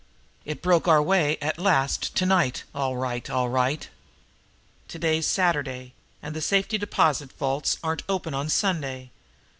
It broke our way at last to night, all right, all right! To day's Saturday and the safety deposit vaults aren't open on Sunday.